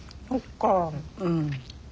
そっか。